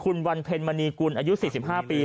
คุณวันเพ็ญมณีกุลอายุ๔๕ปี